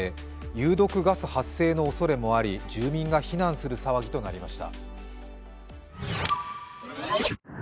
有毒ガス発生のおそれもあり住民が避難する騒ぎとなりました。